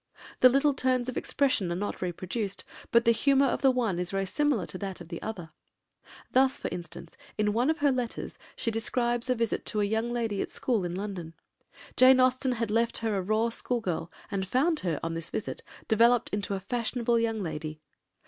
The little turns of expression are not reproduced, but the humour of the one is very similar to that of the other. Thus, for instance, in one of her letters she describes a visit to a young lady at school in London. Jane Austen had left her a raw schoolgirl, and found her, on this visit, developed into a fashionable young lady.